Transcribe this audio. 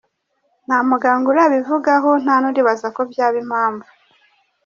Nta muganga urabivugaho nta n’uribaza ko byaba impamvu.